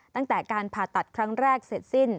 ตั้งแต่การผ่าตัดครั้งแรกเสร็จสิ้น